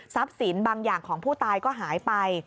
สินบางอย่างของผู้ตายก็หายไป